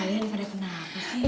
kalian pada penang ini